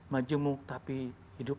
majemuk tapi hidup